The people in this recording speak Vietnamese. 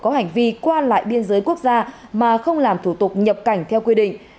có hành vi qua lại biên giới quốc gia mà không làm thủ tục nhập cảnh theo quy định